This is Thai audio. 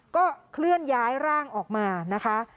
ก็เคลื่อนย้ายร่างออกมานะคะ